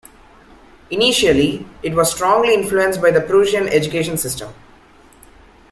Initially, it was strongly influenced by the Prussian education system.